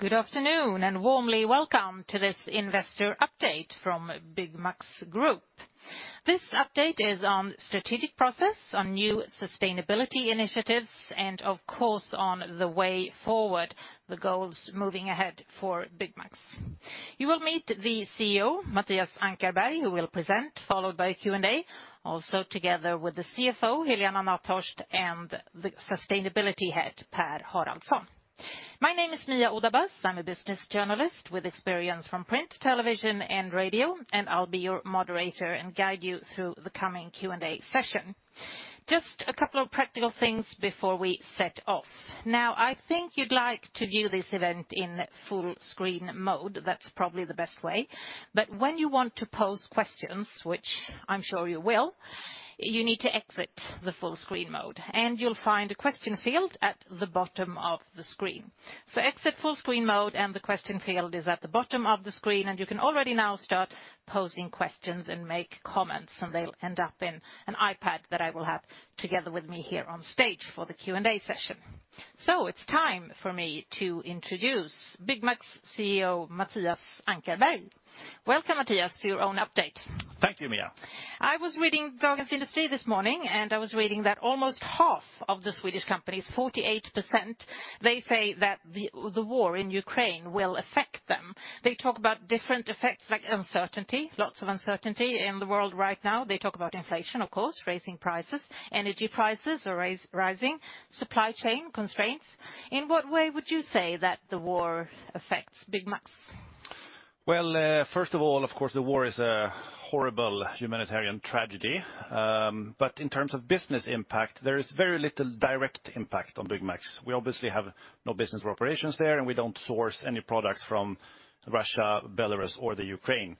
Good afternoon and warmly welcome to this investor update from Byggmax Group. This update is on strategic process on new sustainability initiatives and, of course, on the way forward, the goals moving ahead for Byggmax. You will meet the CEO, Mattias Ankarberg, who will present, followed by Q&A, also together with the CFO, Helena Nathhorst, and the Sustainability Head, Per Haraldsson. My name is Mia Odabas. I'm a business journalist with experience from print, television and radio, and I'll be your moderator and guide you through the coming Q&A session. Just a couple of practical things before we set off. Now, I think you'd like to view this event in full-screen mode. That's probably the best way. But when you want to pose questions, which I'm sure you will, you need to exit the full-screen mode, and you'll find a question field at the bottom of the screen. Exit full-screen mode, and the question field is at the bottom of the screen, and you can already now start posing questions and make comments, and they'll end up in an iPad that I will have together with me here on stage for the Q&A session. It's time for me to introduce Byggmax CEO, Mattias Ankarberg. Welcome, Mattias, to your own update. Thank you, Mia. I was reading Dagens industri this morning, and I was reading that almost 1/2 of the Swedish companies, 48%, they say that the war in Ukraine will affect them. They talk about different effects, like uncertainty, lots of uncertainty in the world right now. They talk about inflation, of course, raising prices. Energy prices are rising. Supply chain constraints. In what way would you say that the war affects Byggmax? Well, first of all, of course, the war is a horrible humanitarian tragedy, but in terms of business impact, there is very little direct impact on Byggmax. We obviously have no business or operations there, and we don't source any products from Russia, Belarus or the Ukraine.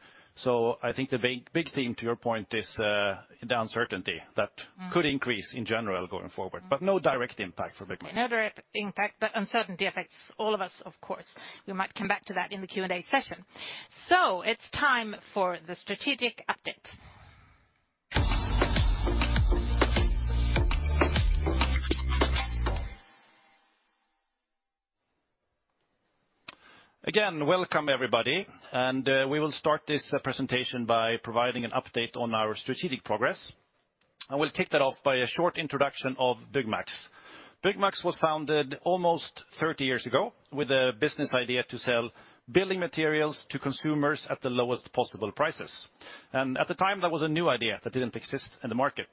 I think the big, big thing to your point is the uncertainty that could increase in general going forward. No direct impact for Byggmax. No direct impact, but uncertainty affects all of us, of course. We might come back to that in the Q&A session. It's time for the strategic update. Again, welcome everybody. We will start this presentation by providing an update on our strategic progress. I will kick that off by a short introduction of Byggmax. Byggmax was founded almost 30 years ago with a business idea to sell building materials to consumers at the lowest possible prices. At the time, that was a new idea that didn't exist in the market.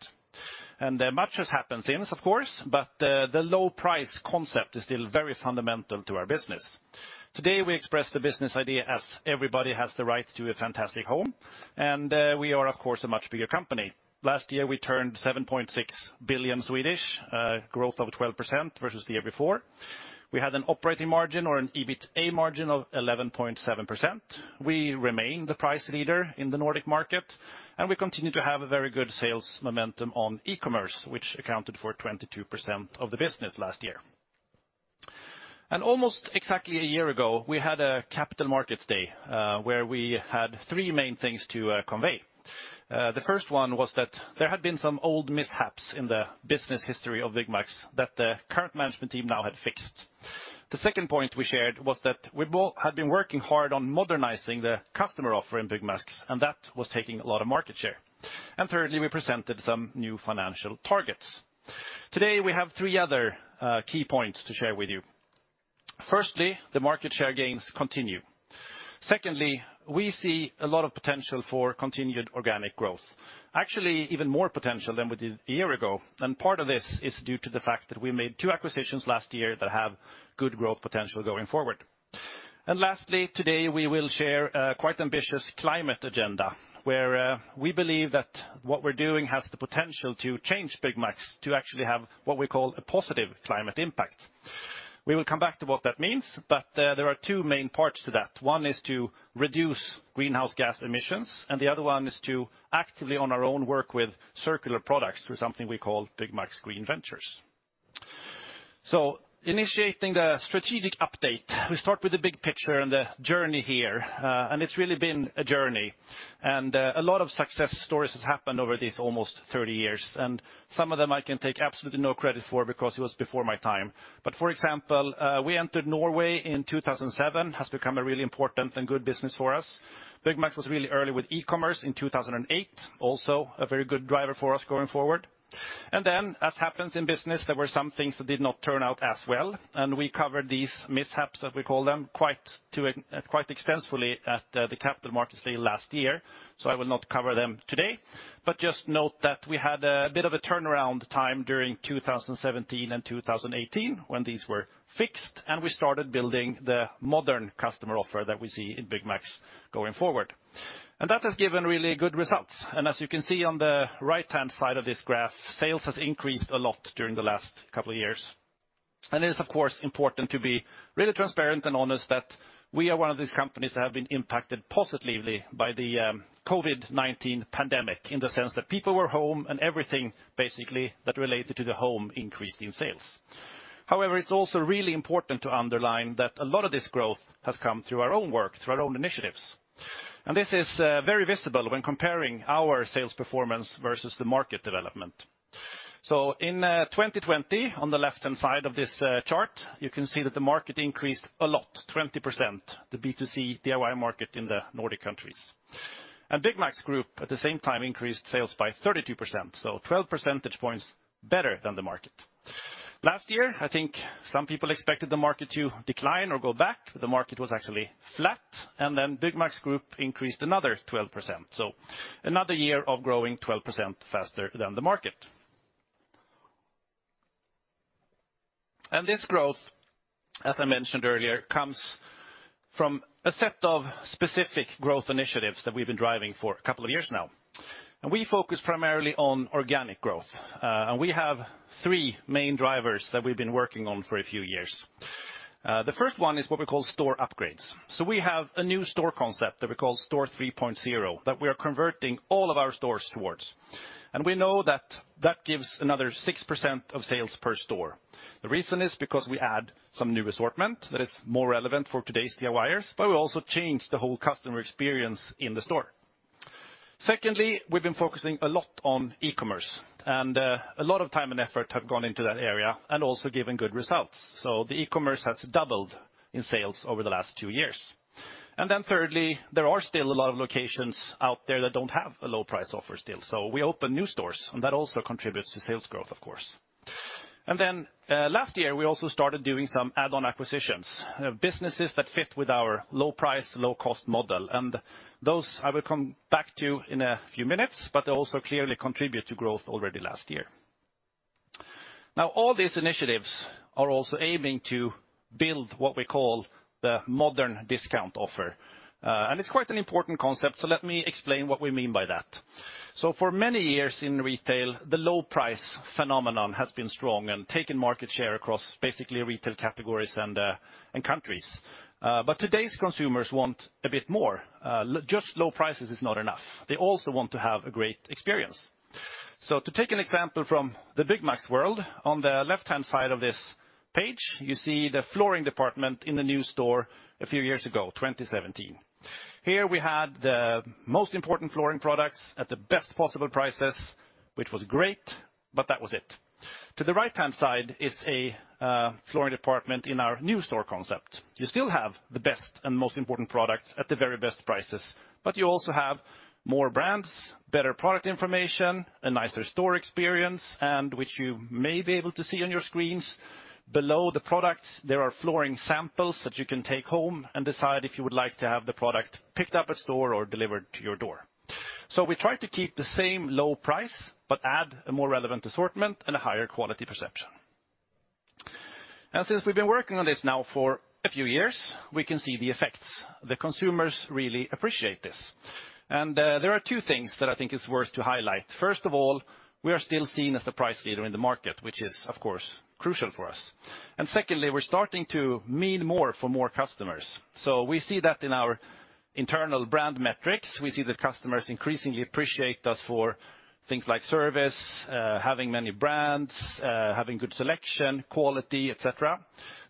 Much has happened since, of course, but the low price concept is still very fundamental to our business. Today, we express the business idea as everybody has the right to a fantastic home, and we are, of course, a much bigger company. Last year, we turned 7.6 billion, growth of 12% versus the year before. We had an operating margin or an EBITA margin of 11.7%. We remain the price leader in the Nordic market, and we continue to have a very good sales momentum on e-commerce, which accounted for 22% of the business last year. Almost exactly a year ago, we had a Capital Markets Day, where we had three main things to convey. The first one was that there had been some old mishaps in the business history of Byggmax that the current management team now had fixed. The second point we shared was that we had been working hard on modernizing the customer offer in Byggmax, and that was taking a lot of market share. Thirdly, we presented some new financial targets. Today, we have three other key points to share with you. Firstly, the market share gains continue. Secondly, we see a lot of potential for continued organic growth. Actually, even more potential than we did a year ago. Part of this is due to the fact that we made two acquisitions last year that have good growth potential going forward. Lastly, today, we will share a quite ambitious climate agenda where we believe that what we're doing has the potential to change Byggmax to actually have what we call a positive climate impact. We will come back to what that means, but there are two main parts to that. One is to reduce greenhouse gas emissions, and the other one is to actively on our own work with circular products through something we call Byggmax Green Ventures. Initiating the strategic update, we start with the big picture and the journey here. It's really been a journey. A lot of success stories have happened over these almost 30 years, and some of them I can take absolutely no credit for because it was before my time. For example, we entered Norway in 2007. It has become a really important and good business for us. Byggmax was really early with e-commerce in 2008, also a very good driver for us going forward. As happens in business, there were some things that did not turn out as well, and we covered these mishaps, as we call them, quite expensively at the Capital Markets Day last year. I will not cover them today. Just note that we had a bit of a turnaround time during 2017 and 2018 when these were fixed, and we started building the modern customer offer that we see in Byggmax going forward. That has given really good results. As you can see on the right-hand side of this graph, sales has increased a lot during the last couple of years. It is, of course, important to be really transparent and honest that we are one of these companies that have been impacted positively by the COVID-19 pandemic in the sense that people were home and everything basically that related to the home increased in sales. However, it's also really important to underline that a lot of this growth has come through our own work, through our own initiatives. This is very visible when comparing our sales performance versus the market development. In 2020, on the left-hand side of this chart, you can see that the market increased a lot, 20%, the B2C DIY market in the Nordic countries. Byggmax Group, at the same time, increased sales by 32%, so 12 percentage points better than the market. Last year, I think some people expected the market to decline or go back. The market was actually flat, and then Byggmax Group increased another 12%. Another year of growing 12% faster than the market. This growth, as I mentioned earlier, comes from a set of specific growth initiatives that we've been driving for a couple of years now. We focus primarily on organic growth. We have three main drivers that we've been working on for a few years. The first one is what we call store upgrades. We have a new store concept that we call Store 3.0, that we are converting all of our stores towards. We know that that gives another 6% of sales per store. The reason is because we add some new assortment that is more relevant for today's DIYers, but we also change the whole customer experience in the store. Secondly, we've been focusing a lot on e-commerce, and a lot of time and effort have gone into that area and also given good results. The e-commerce has doubled in sales over the last two years. Thirdly, there are still a lot of locations out there that don't have a low price offer still. We open new stores, and that also contributes to sales growth, of course. Last year, we also started doing some add-on acquisitions, businesses that fit with our low price, low cost model. Those I will come back to in a few minutes, but they also clearly contribute to growth already last year. Now, all these initiatives are also aiming to build what we call the modern discount offer, and it's quite an important concept, so let me explain what we mean by that. For many years in retail, the low price phenomenon has been strong and taken market share across basically retail categories and countries. Today's consumers want a bit more. Just low prices is not enough. They also want to have a great experience. To take an example from the Byggmax's world, on the left-hand side of this page, you see the flooring department in the new store a few years ago, 2017. Here we had the most important flooring products at the best possible prices, which was great, but that was it. To the right-hand side is a flooring department in our new store concept. You still have the best and most important products at the very best prices, but you also have more brands, better product information, a nicer store experience, and which you may be able to see on your screens. Below the products, there are flooring samples that you can take home and decide if you would like to have the product picked up at store or delivered to your door. We try to keep the same low price, but add a more relevant assortment and a higher quality perception. Since we've been working on this now for a few years, we can see the effects. The consumers really appreciate this. There are two things that I think is worth to highlight. First of all, we are still seen as the price leader in the market, which is, of course, crucial for us. Secondly, we're starting to mean more for more customers. We see that in our internal brand metrics, we see that customers increasingly appreciate us for things like service, having many brands, having good selection, quality, et cetera.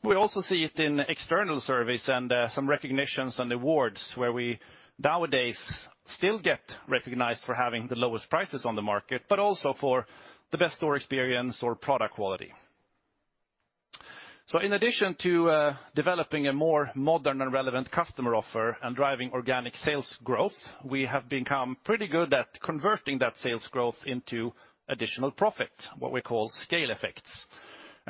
We also see it in external surveys and some recognitions and awards where we nowadays still get recognized for having the lowest prices on the market, but also for the best store experience or product quality. In addition to developing a more modern and relevant customer offer and driving organic sales growth, we have become pretty good at converting that sales growth into additional profit, what we call scale effects.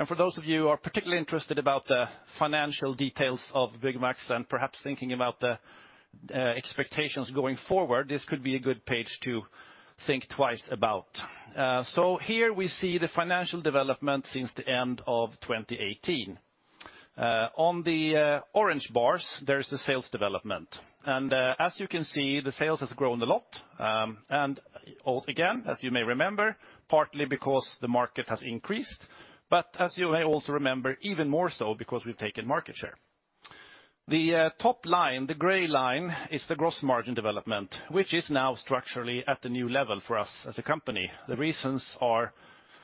For those of you who are particularly interested about the financial details of Byggmax and perhaps thinking about the expectations going forward, this could be a good page to think twice about. Here we see the financial development since the end of 2018. On the orange bars, there is the sales development. As you can see, the sales has grown a lot, and again, as you may remember, partly because the market has increased, but as you may also remember, even more so because we've taken market share. The top line, the gray line, is the gross margin development, which is now structurally at a new level for us as a company. The reasons are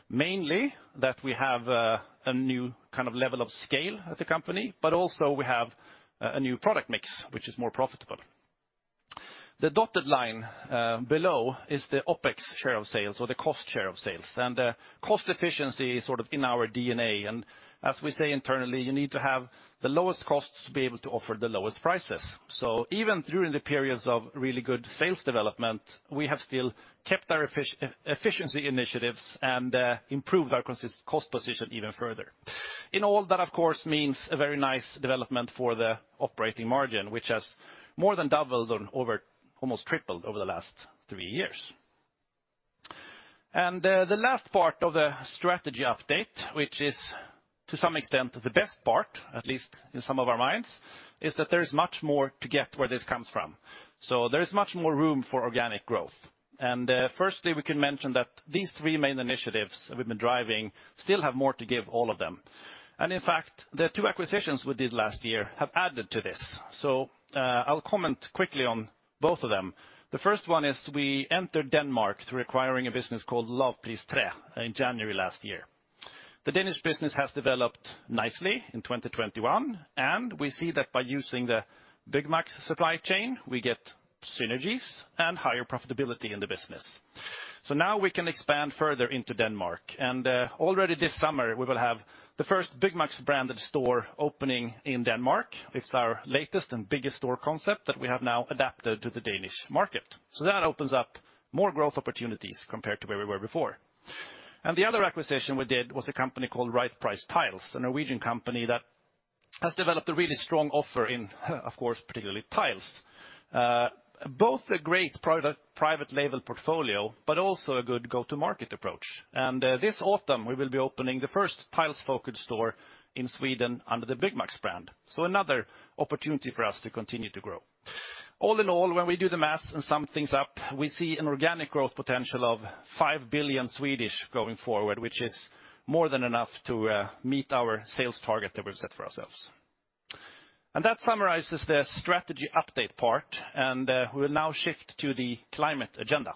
mainly that we have a new kind of level of scale as a company, but also we have a new product mix which is more profitable. The dotted line below is the OpEx share of sales or the cost share of sales. Cost efficiency is sort of in our DNA. As we say internally, you need to have the lowest costs to be able to offer the lowest prices. Even during the periods of really good sales development, we have still kept our efficiency initiatives and improved our cost position even further. In all, that of course means a very nice development for the operating margin, which has more than doubled and almost tripled over the last three years. The last part of the strategy update, which is to some extent the best part, at least in some of our minds, is that there is much more to get where this comes from. There is much more room for organic growth. Firstly, we can mention that these three main initiatives that we've been driving still have more to give all of them. In fact, the two acquisitions we did last year have added to this. I'll comment quickly on both of them. The first one is we entered Denmark through acquiring a business called Næstved Lavpristræ in January last year. The Danish business has developed nicely in 2021, and we see that by using the Byggmax supply chain, we get synergies and higher profitability in the business. Now we can expand further into Denmark. Already this summer, we will have the first Byggmax-branded store opening in Denmark. It's our latest and biggest store concept that we have now adapted to the Danish market. That opens up more growth opportunities compared to where we were before. The other acquisition we did was a company called Right Price Tiles, a Norwegian company that has developed a really strong offer in, of course, particularly tiles. Both a great product private label portfolio, but also a good go-to-market approach. This autumn, we will be opening the first tiles-focused store in Sweden under the Byggmax brand. Another opportunity for us to continue to grow. All in all, when we do the math and sum things up, we see an organic growth potential of 5 billion going forward, which is more than enough to meet our sales target that we've set for ourselves. That summarizes the strategy update part, and we'll now shift to the climate agenda.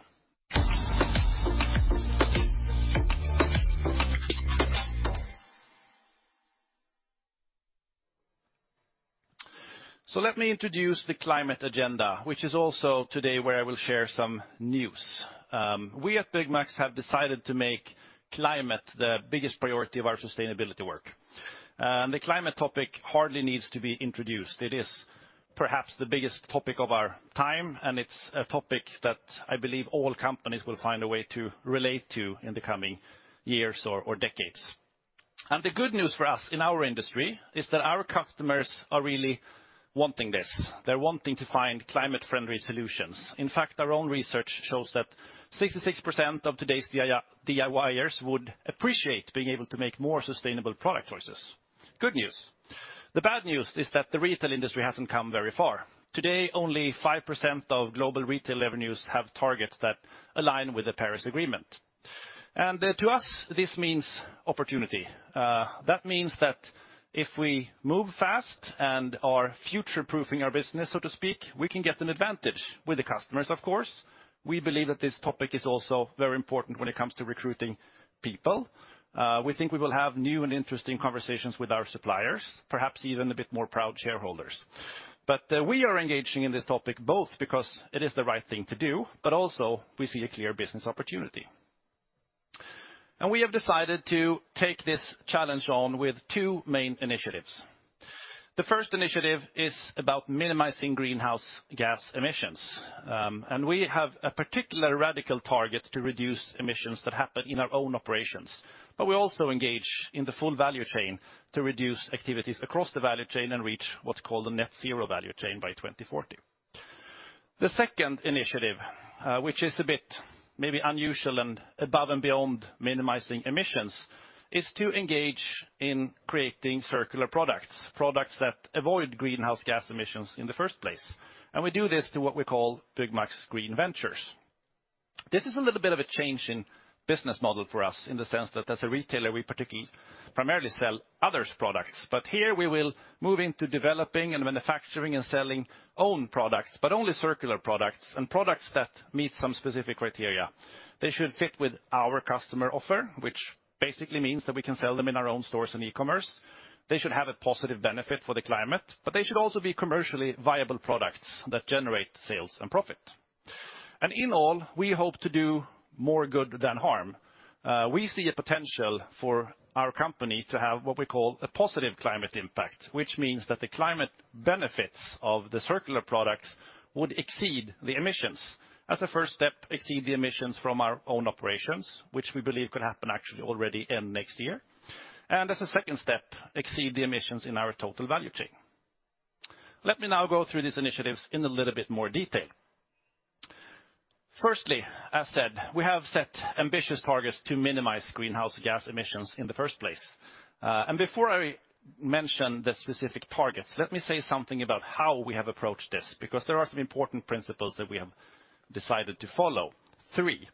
Let me introduce the climate agenda, which is also today where I will share some news. We at Byggmax have decided to make climate the biggest priority of our sustainability work. The climate topic hardly needs to be introduced. It is perhaps the biggest topic of our time, and it's a topic that I believe all companies will find a way to relate to in the coming years or decades. The good news for us in our industry is that our customers are really wanting this. They're wanting to find climate-friendly solutions. In fact, our own research shows that 66% of today's DIYers would appreciate being able to make more sustainable product choices. Good news. The bad news is that the retail industry hasn't come very far. Today, only 5% of global retail revenues have targets that align with the Paris Agreement. To us, this means opportunity. That means that if we move fast and are future-proofing our business, so to speak, we can get an advantage with the customers, of course. We believe that this topic is also very important when it comes to recruiting people. We think we will have new and interesting conversations with our suppliers, perhaps even a bit more proud shareholders. We are engaging in this topic both because it is the right thing to do, but also we see a clear business opportunity. We have decided to take this challenge on with two main initiatives. The first initiative is about minimizing greenhouse gas emissions. We have a particularly radical target to reduce emissions that happen in our own operations. We also engage in the full value chain to reduce activities across the value chain and reach what's called a net zero value chain by 2040. The second initiative, which is a bit maybe unusual and above and beyond minimizing emissions, is to engage in creating circular products that avoid greenhouse gas emissions in the first place. We do this through what we call Byggmax Green Ventures. This is a little bit of a change in business model for us in the sense that as a retailer, we particularly primarily sell others' products. But here we will move into developing and manufacturing and selling own products, but only circular products and products that meet some specific criteria. They should fit with our customer offer, which basically means that we can sell them in our own stores and e-commerce. They should have a positive benefit for the climate, but they should also be commercially viable products that generate sales and profit. In all, we hope to do more good than harm. We see a potential for our company to have what we call a positive climate impact, which means that the climate benefits of the circular products would exceed the emissions. As a first step, exceed the emissions from our own operations, which we believe could happen actually already in next year. As a second step, exceed the emissions in our total value chain. Let me now go through these initiatives in a little bit more detail. Firstly, as said, we have set ambitious targets to minimize greenhouse gas emissions in the first place. Before I mention the specific targets, let me say something about how we have approached this, because there are some important principles that we have decided to follow. Three.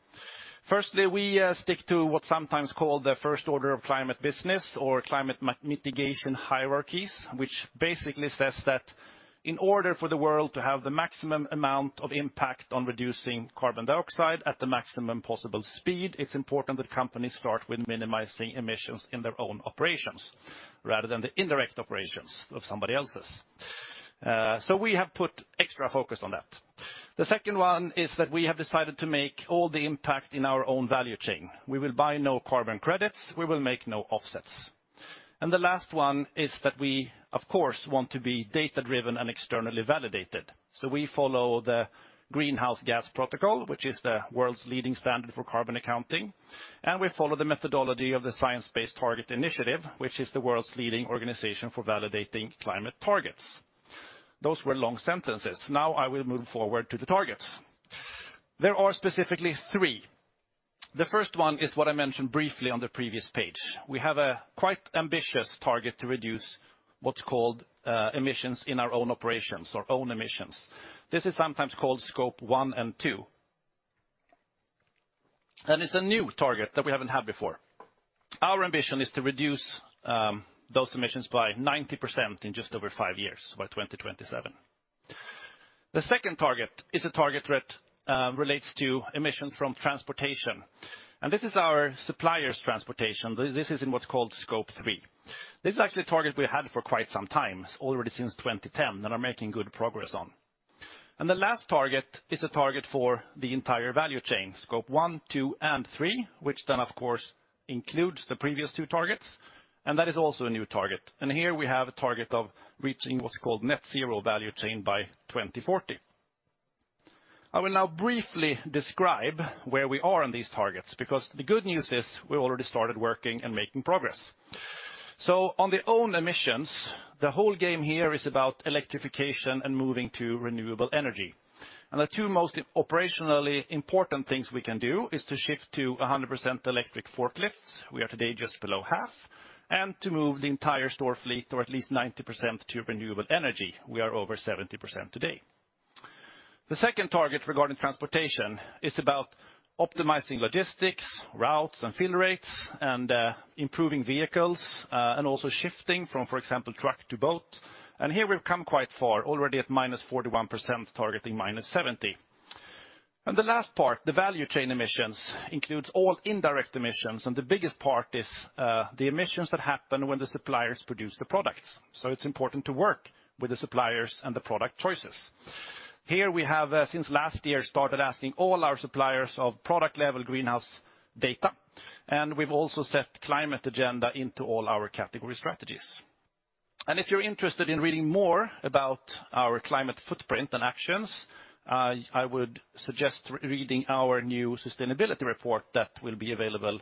Firstly, we stick to what's sometimes called the first order of climate business or climate mitigation hierarchies, which basically says that in order for the world to have the maximum amount of impact on reducing carbon dioxide at the maximum possible speed, it's important that companies start with minimizing emissions in their own operations rather than the indirect operations of somebody else's. We have put extra focus on that. The second one is that we have decided to make all the impact in our own value chain. We will buy no carbon credits, we will make no offsets. The last one is that we, of course, want to be data-driven and externally validated. We follow the Greenhouse Gas Protocol, which is the world's leading standard for carbon accounting. We follow the methodology of the Science Based Targets initiative, which is the world's leading organization for validating climate targets. Those were long sentences. Now I will move forward to the targets. There are specifically three. The first one is what I mentioned briefly on the previous page. We have a quite ambitious target to reduce what's called emissions in our own operations or own emissions. This is sometimes called Scope 1 and 2. It's a new target that we haven't had before. Our ambition is to reduce those emissions by 90% in just over five years, by 2027. The second target is a target that relates to emissions from transportation, and this is our suppliers' transportation. This is in what's called Scope 3. This is actually a target we had for quite some time, already since 2010, that are making good progress on. The last target is a target for the entire value chain, Scope 1, 2, and 3, which then, of course, includes the previous two targets, and that is also a new target. Here we have a target of reaching what's called net zero value chain by 2040. I will now briefly describe where we are on these targets because the good news is we already started working and making progress. On the own emissions, the whole game here is about electrification and moving to renewable energy. The two most operationally important things we can do is to shift to 100% electric forklifts, we are today just below 1/2, and to move the entire store fleet or at least 90% to renewable energy. We are over 70% today. The second target regarding transportation is about optimizing logistics, routes, and fill rates, and improving vehicles and also shifting from, for example, truck to boat. Here we've come quite far, already at -41%, targeting -70%. The last part, the value chain emissions, includes all indirect emissions, and the biggest part is the emissions that happen when the suppliers produce the products. It's important to work with the suppliers and the product choices. Here we have, since last year, started asking all our suppliers of product-level greenhouse data, and we've also set climate agenda into all our category strategies. If you're interested in reading more about our climate footprint and actions, I would suggest reading our new sustainability report that will be available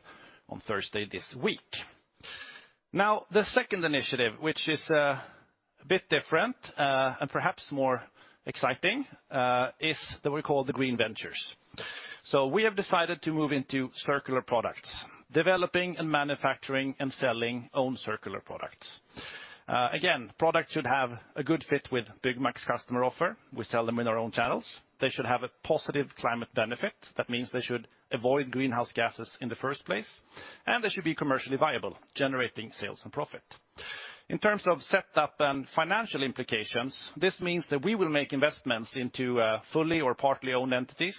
on Thursday this week. Now, the second initiative, which is, a bit different, and perhaps more exciting, is what we call the Green Ventures. We have decided to move into circular products, developing and manufacturing and selling own circular products. Again, products should have a good fit with Byggmax customer offer. We sell them in our own channels. They should have a positive climate benefit. That means they should avoid greenhouse gases in the first place, and they should be commercially viable, generating sales and profit. In terms of setup and financial implications, this means that we will make investments into fully or partly owned entities.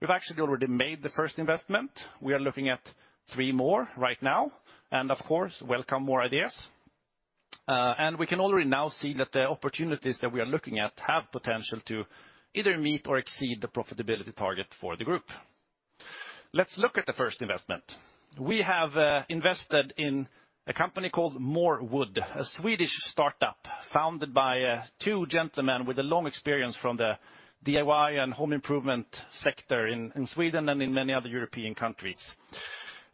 We've actually already made the first investment. We are looking at three more right now and, of course, welcome more ideas. We can already now see that the opportunities that we are looking at have potential to either meet or exceed the profitability target for the group. Let's look at the first investment. We have invested in a company called MoreWood, a Swedish startup founded by two gentlemen with a long experience from the DIY and home improvement sector in Sweden and in many other European countries.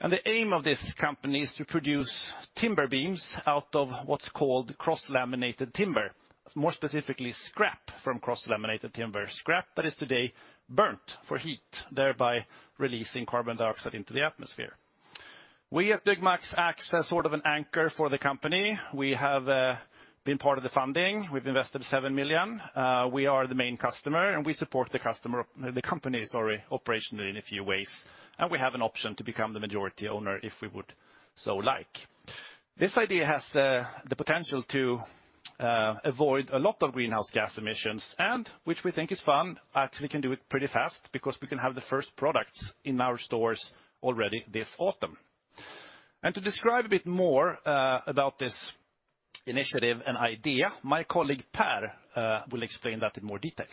The aim of this company is to produce timber beams out of what's called cross-laminated timber, more specifically scrap from cross-laminated timber. Scrap that is today burned for heat, thereby releasing carbon dioxide into the atmosphere. We at Byggmax act as sort of an anchor for the company. We have been part of the funding. We've invested 7 million. We are the main customer, and we support the company operationally in a few ways, and we have an option to become the majority owner if we would so like. This idea has the potential to avoid a lot of greenhouse gas emissions, which we think is fun, actually can do it pretty fast because we can have the first products in our stores already this autumn. To describe a bit more about this initiative and idea, my colleague Per will explain that in more detail.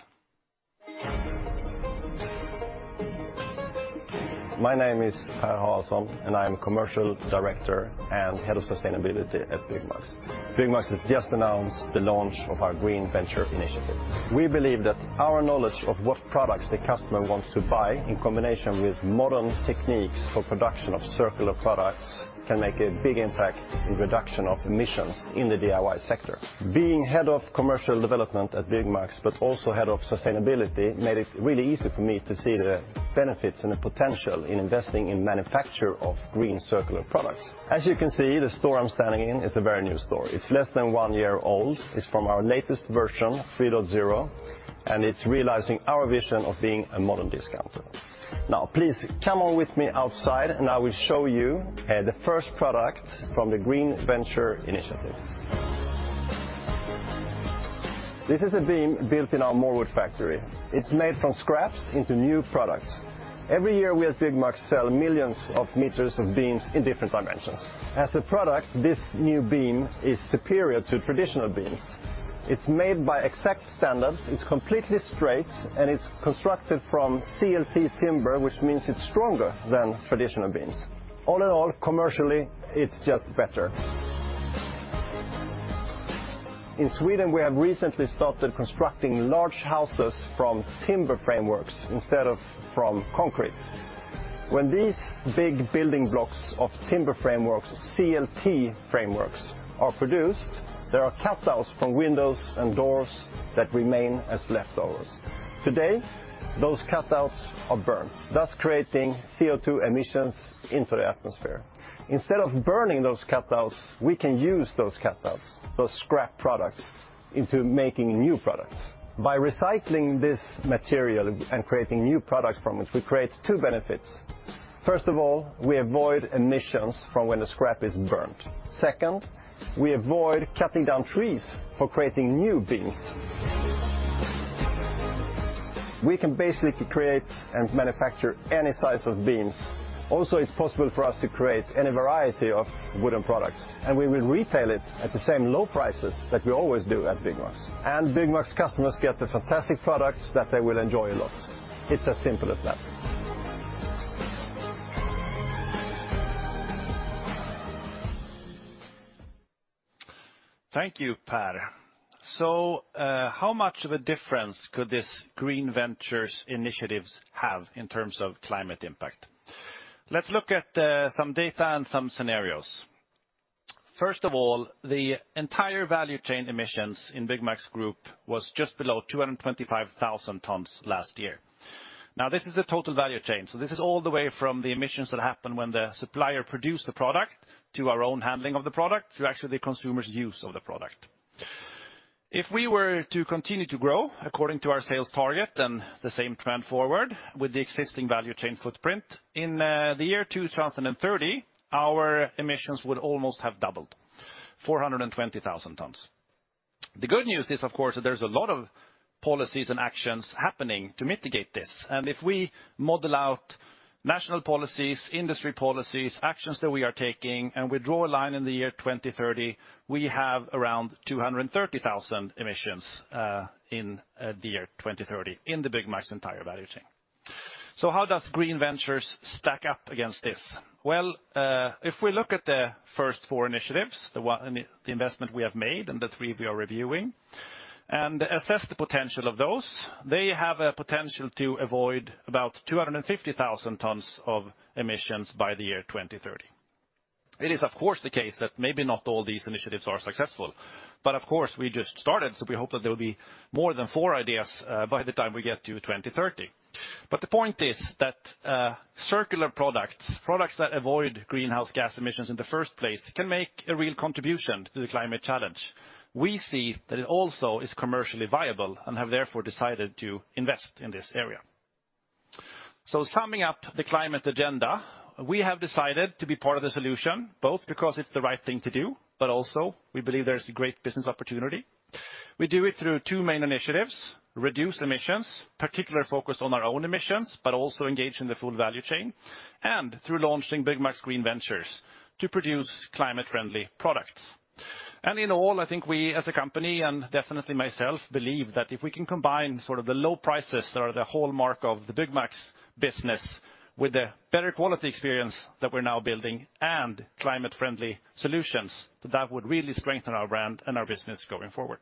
My name is Per Haraldsson, and I'm Commercial Director and Head of Sustainability at Byggmax. Byggmax has just announced the launch of our green venture initiative. We believe that our knowledge of what products the customer wants to buy in combination with modern techniques for production of circular products can make a big impact in reduction of emissions in the DIY sector. Being Head of Commercial Development at Byggmax but also Head of Sustainability made it really easy for me to see the benefits and the potential in investing in manufacture of green circular products. As you can see, the store I'm standing in is a very new store. It's less than one year old. It's from our latest version, 3.0, and it's realizing our vision of being a modern discounter. Now please come on with me outside, and I will show you the first product from the Green Ventures initiative. This is a beam built in our MoreWood factory. It's made from scraps into new products. Every year, we at Byggmax sell millions of meters of beams in different dimensions. As a product, this new beam is superior to traditional beams. It's made by exact standards, it's completely straight, and it's constructed from CLT timber, which means it's stronger than traditional beams. All in all, commercially, it's just better. In Sweden, we have recently started constructing large houses from timber frameworks instead of from concrete. When these big building blocks of timber frameworks, CLT frameworks, are produced, there are cutouts from windows and doors that remain as leftovers. Today, those cutouts are burnt, thus creating CO2 emissions into the atmosphere. Instead of burning those cutouts, we can use those cutouts, those scrap products, into making new products. By recycling this material and creating new products from it, we create two benefits. First of all, we avoid emissions from when the scrap is burnt. Second, we avoid cutting down trees for creating new beams. We can basically create and manufacture any size of beams. Also, it's possible for us to create any variety of wooden products, and we will retail it at the same low prices that we always do at Byggmax. Byggmax customers get the fantastic products that they will enjoy a lot. It's as simple as that. Thank you, Per. How much of a difference could this Green Ventures initiatives have in terms of climate impact? Let's look at some data and some scenarios. First of all, the entire value chain emissions in Byggmax Group was just below 225,000 tons last year. Now, this is the total value chain. This is all the way from the emissions that happen when the supplier produced the product, to our own handling of the product, to actually the consumer's use of the product. If we were to continue to grow according to our sales target and the same trend forward with the existing value chain footprint, in the year 2030, our emissions would almost have doubled, 420,000 tons. The good news is, of course, that there's a lot of policies and actions happening to mitigate this. If we model out national policies, industry policies, actions that we are taking, and we draw a line in the year 2030, we have around 230,000 emissions in the year 2030 in the Byggmax entire value chain. How does Green Ventures stack up against this? If we look at the first four initiatives, the investment we have made and the three we are reviewing, and assess the potential of those, they have a potential to avoid about 250,000 tons of emissions by the year 2030. It is, of course, the case that maybe not all these initiatives are successful. Of course, we just started, so we hope that there will be more than four ideas by the time we get to 2030. The point is that circular products that avoid greenhouse gas emissions in the first place, can make a real contribution to the climate challenge. We see that it also is commercially viable and have therefore decided to invest in this area. Summing up the climate agenda, we have decided to be part of the solution, both because it's the right thing to do, but also we believe there's a great business opportunity. We do it through two main initiatives, reduce emissions, particularly focused on our own emissions, but also engage in the full value chain, and through launching Byggmax Green Ventures to produce climate-friendly products. In all, I think we, as a company and definitely myself, believe that if we can combine sort of the low prices that are the hallmark of the Byggmax business with the better quality experience that we're now building and climate-friendly solutions, that would really strengthen our brand and our business going forward.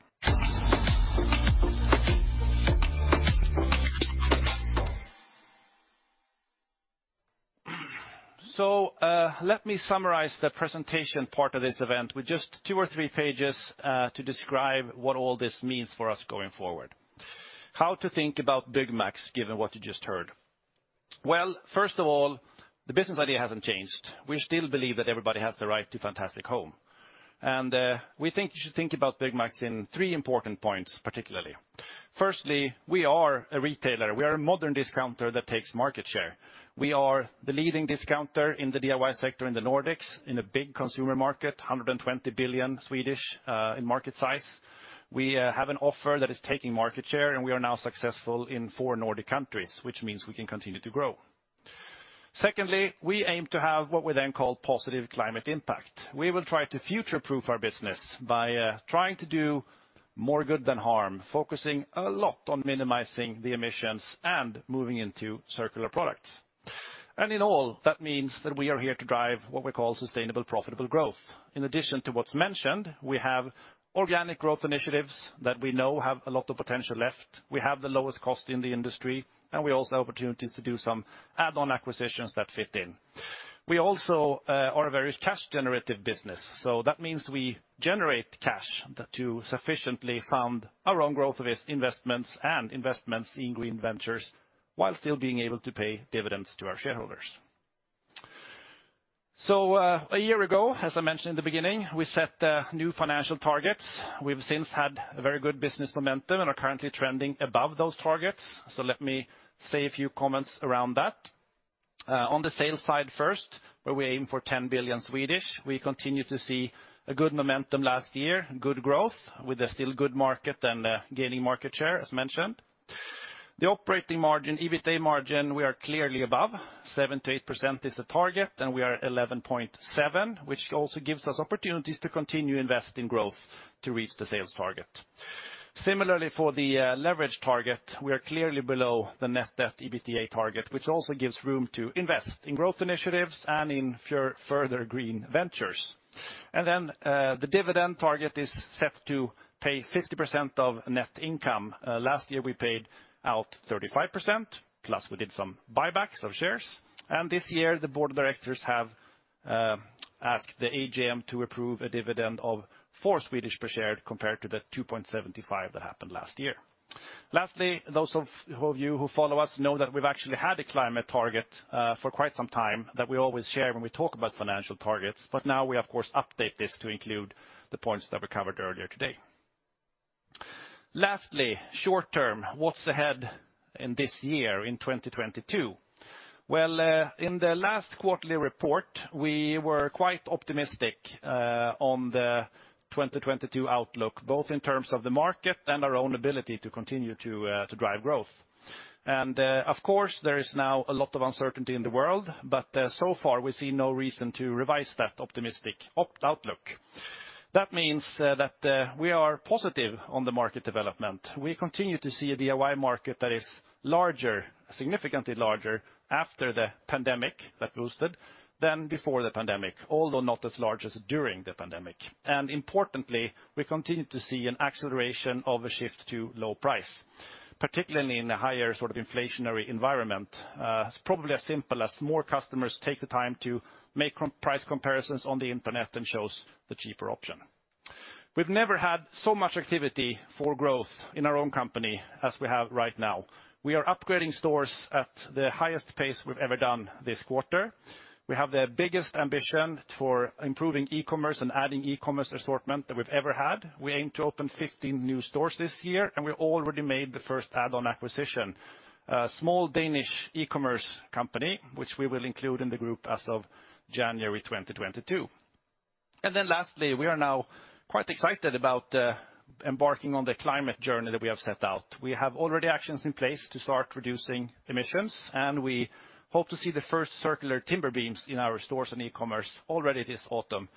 Let me summarize the presentation part of this event with just two or three pages to describe what all this means for us going forward. How to think about Byggmax given what you just heard. Well, first of all, the business idea hasn't changed. We still believe that everybody has the right to a fantastic home. We think you should think about Byggmax in three important points, particularly. Firstly, we are a retailer. We are a modern discounter that takes market share. We are the leading discounter in the DIY sector in the Nordics, in a big consumer market, 120 billion in market size. We have an offer that is taking market share, and we are now successful in four Nordic countries, which means we can continue to grow. Secondly, we aim to have what we then call positive climate impact. We will try to future-proof our business by trying to do more good than harm, focusing a lot on minimizing the emissions and moving into circular products. In all, that means that we are here to drive what we call sustainable, profitable growth. In addition to what's mentioned, we have organic growth initiatives that we know have a lot of potential left. We have the lowest cost in the industry, and we also have opportunities to do some add-on acquisitions that fit in. We also are a very cash generative business. That means we generate cash to sufficiently fund our own growth and its investments and investments in Green Ventures while still being able to pay dividends to our shareholders. A year ago, as I mentioned in the beginning, we set new financial targets. We've since had a very good business momentum and are currently trending above those targets. Let me say a few comments around that. On the sales side first, where we aim for 10 billion, we continued to see a good momentum last year, good growth with a still good market and gaining market share, as mentioned. The operating margin, EBITA margin, we are clearly above. 7%-8% is the target, and we are 11.7%, which also gives us opportunities to continue investing growth to reach the sales target. Similarly, for the leverage target, we are clearly below the net debt/EBITA target, which also gives room to invest in growth initiatives and in further Green Ventures. The dividend target is set to pay 50% of net income. Last year, we paid out 35%, plus we did some buybacks of shares. This year, the Board of Directors have asked the AGM to approve a dividend of 4 per share compared to the 2.75 that happened last year. Lastly, those of you who follow us know that we've actually had a climate target for quite some time that we always share when we talk about financial targets. Now we, of course, update this to include the points that were covered earlier today. Lastly, short term, what's ahead in this year, in 2022? Well, in the last quarterly report, we were quite optimistic on the 2022 outlook, both in terms of the market and our own ability to continue to drive growth. Of course, there is now a lot of uncertainty in the world, but so far we see no reason to revise that optimistic outlook. That means we are positive on the market development. We continue to see a DIY market that is larger, significantly larger after the pandemic that boosted than before the pandemic, although not as large as during the pandemic. Importantly, we continue to see an acceleration of a shift to low price, particularly in the higher sort of inflationary environment. It's probably as simple as more customers take the time to make price comparisons on the internet and shows the cheaper option. We've never had so much activity for growth in our own company as we have right now. We are upgrading stores at the highest pace we've ever done this quarter. We have the biggest ambition for improving e-commerce and adding e-commerce assortment that we've ever had. We aim to open 15 new stores this year, and we already made the first add-on acquisition. A small Danish e-commerce company, which we will include in the group as of January 2022. Lastly, we are now quite excited about embarking on the climate journey that we have set out. We have already actions in place to start reducing emissions, and we hope to see the first circular timber beams in our stores and e-commerce already this autumn,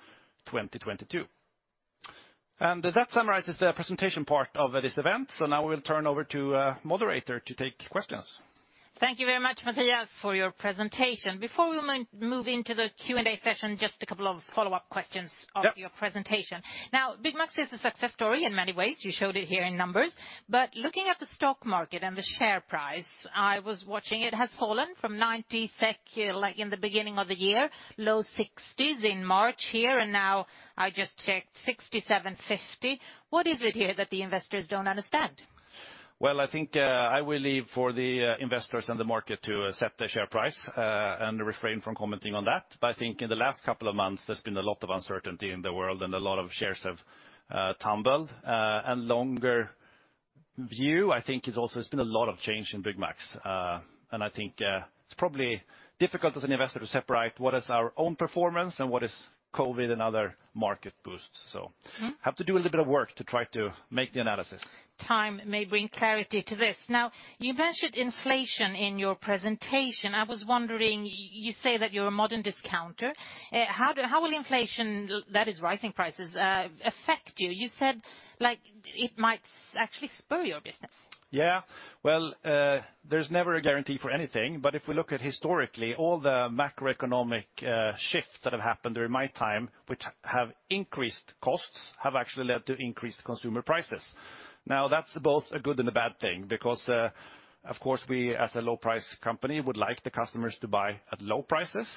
2022. That summarizes the presentation part of this event, so now we'll turn over to moderator to take questions. Thank you very much, Mattias, for your presentation. Before we move into the Q&A session, just a couple of follow-up questions. Yep. End of your presentation. Now, Byggmax is a success story in many ways. You showed it here in numbers. Looking at the stock market and the share price, I was watching, it has fallen from 90 SEK, like in the beginning of the year, low SEK 60s in March here, and now I just checked 67.50. What is it here that the investors don't understand? Well, I think I will leave it for the investors and the market to assess the share price and refrain from commenting on that. I think in the last couple of months, there's been a lot of uncertainty in the world and a lot of shares have tumbled. In the longer view, I think it's also been a lot of change in Byggmax. I think it's probably difficult as an investor to separate what is our own performance and what is COVID and other market busts. Mm-hmm. Have to do a little bit of work to try to make the analysis. Time may bring clarity to this. Now, you mentioned inflation in your presentation. I was wondering, you say that you're a modern discounter. How will inflation, that is rising prices, affect you? You said, like, it might actually spur your business. Yeah. Well, there's never a guarantee for anything. If we look historically, all the macroeconomic shifts that have happened during my time, which have increased costs, have actually led to increased consumer prices. Now, that's both a good and a bad thing because, of course, we as a low price company would like the customers to buy at low prices.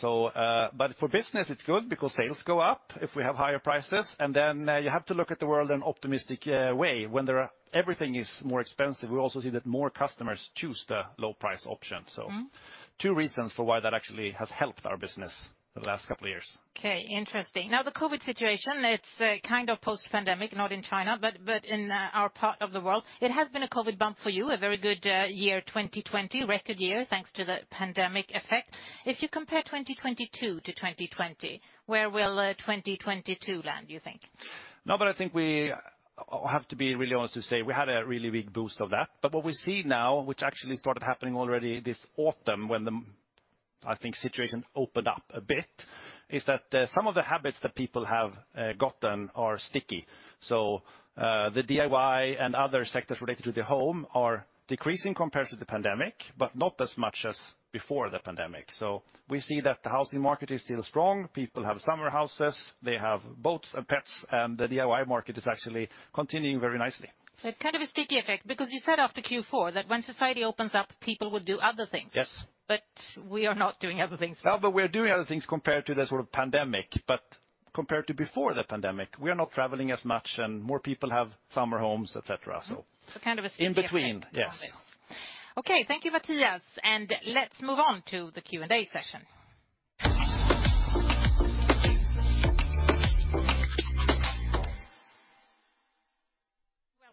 For business, it's good because sales go up if we have higher prices, and then, you have to look at the world in an optimistic way. When everything is more expensive, we also see that more customers choose the low price option. Mm-hmm. two reasons for why that actually has helped our business the last couple of years. Okay, interesting. Now, the COVID situation, it's kind of post-pandemic, not in China, but in our part of the world. It has been a COVID bump for you, a very good year 2020, record year, thanks to the pandemic effect. If you compare 2022 to 2020, where will 2022 land, you think? No, I think we have to be really honest to say we had a really big boost of that. What we see now, which actually started happening already this autumn when the, I think, situation opened up a bit, is that some of the habits that people have gotten are sticky. The DIY and other sectors related to the home are decreasing compared to the pandemic, but not as much as before the pandemic. We see that the housing market is still strong. People have summer houses, they have boats and pets, and the DIY market is actually continuing very nicely. It's kind of a sticky effect because you said after Q4 that when society opens up, people would do other things. Yes. We are not doing other things. No, but we're doing other things compared to the sort of pandemic. Compared to before the pandemic, we are not traveling as much and more people have summer homes, et cetera. Kind of a sticky effect. In between, yes. Okay. Thank you, Mattias. Let's move on to the Q&A session.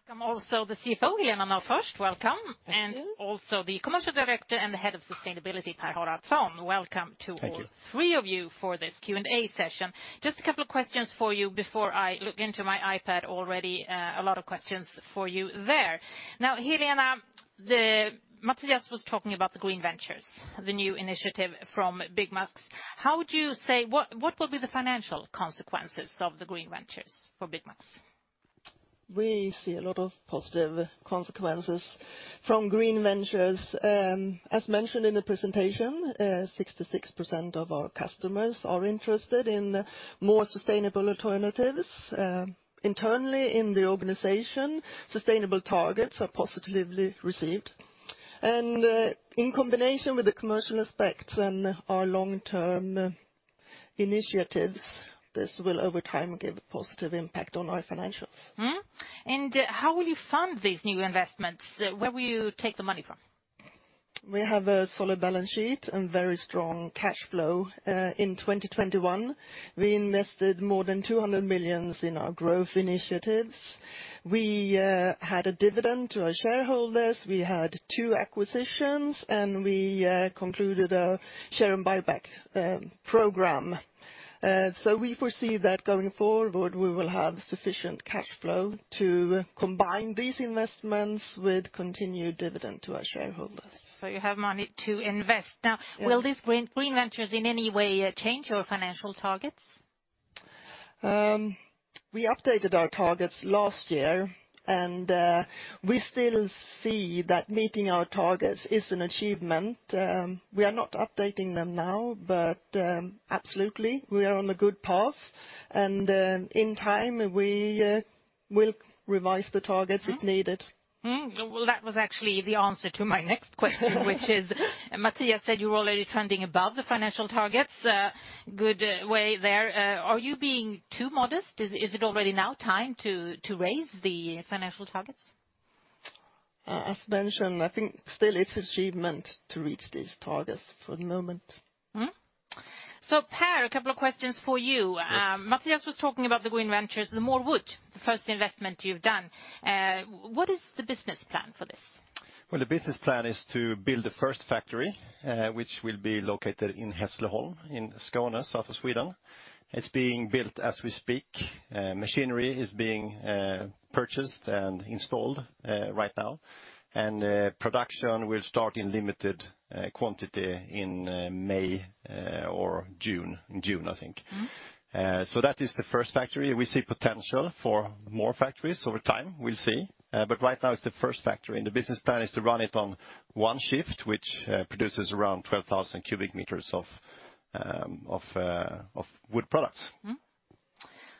Welcome, also the CFO, Helena Nathhorst. Thank you. Also the Commercial Director and the Head of Sustainability, Per Haraldsson. Welcome to- Thank you. Thank you all three of you for this Q&A session. Just a couple of questions for you before I look into my iPad. Already, a lot of questions for you there. Now, Helena, Mattias was talking about the Green Ventures, the new initiative from Byggmax. What will be the financial consequences of the Green Ventures for Byggmax? We see a lot of positive consequences from Green Ventures. As mentioned in the presentation, 66% of our customers are interested in more sustainable alternatives. Internally in the organization, sustainable targets are positively received. In combination with the commercial aspects and our long-term initiatives, this will over time give a positive impact on our financials. How will you fund these new investments? Where will you take the money from? We have a solid balance sheet and very strong cash flow. In 2021 we invested more than 200 million in our growth initiatives. We had a dividend to our shareholders, we had two acquisitions, and we concluded a share buyback program. We foresee that going forward, we will have sufficient cash flow to combine these investments with continued dividend to our shareholders. You have money to invest. Yes. Now, will these Green Ventures in any way change your financial targets? We updated our targets last year, and we still see that meeting our targets is an achievement. We are not updating them now, but absolutely, we are on a good path. In time we will revise the targets if needed. Mm-hmm. Well, that was actually the answer to my next question, which is Mattias said you're already trending above the financial targets, good way there. Are you being too modest? Is it already now time to raise the financial targets? As mentioned, I think still it's an achievement to reach these targets for the moment. Per, a couple of questions for you. Yes. Mattias was talking about the Green Ventures, the MoreWood, the first investment you've done. What is the business plan for this? Well, the business plan is to build the first factory, which will be located in Hässleholm in Skåne, south of Sweden. It's being built as we speak. Machinery is being purchased and installed right now. Production will start in limited quantity in May or June. In June, I think. Mm-hmm. That is the first factory. We see potential for more factories over time. We'll see. Right now it's the first factory. The business plan is to run it on one shift, which produces around 12,000 cu meters of wood products.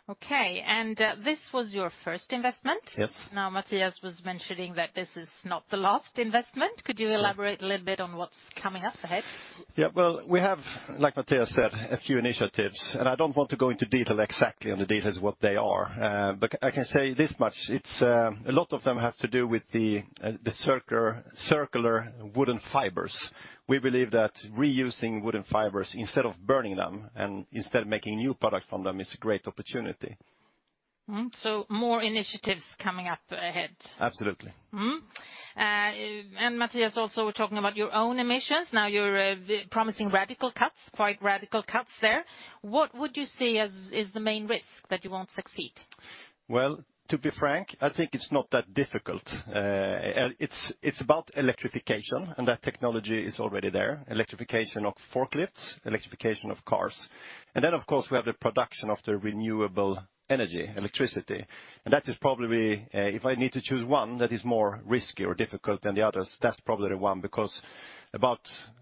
Mm-hmm. Okay. This was your first investment. Yes. Now, Mattias was mentioning that this is not the last investment. No. Could you elaborate a little bit on what's coming up ahead? Yeah. Well, we have, like Mattias said, a few initiatives. I don't want to go into detail exactly on the details of what they are. I can say this much, it's a lot of them have to do with the circular wooden fibers. We believe that reusing wooden fibers instead of burning them and instead of making new product from them is a great opportunity. More initiatives coming up ahead. Absolutely. Mm-hmm. Mattias also talking about your own emissions. Now you're promising radical cuts, quite radical cuts there. What would you say is the main risk that you won't succeed? Well, to be frank, I think it's not that difficult. It's about electrification, and that technology is already there. Electrification of forklifts, electrification of cars. Then of course we have the production of the renewable energy, electricity. That is probably, if I need to choose one that is more risky or difficult than the others, that's probably the one. Because about